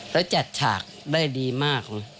แล้วจัดฉากได้ดีมากเลย